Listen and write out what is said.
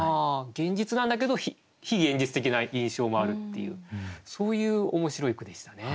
現実なんだけど非現実的な印象もあるっていうそういう面白い句でしたね。